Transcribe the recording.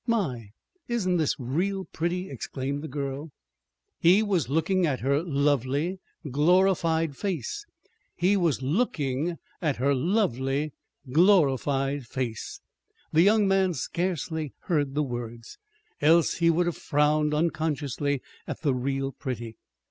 "My, isn't this real pretty!" exclaimed the girl. [Illustration: HE WAS LOOKING AT HER LOVELY, GLORIFIED FACE] The young man scarcely heard the words, else he would have frowned unconsciously at the "real pretty."